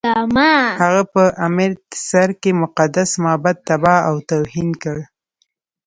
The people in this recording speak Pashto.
هغه په امرتسر کې مقدس معبد تباه او توهین کړ.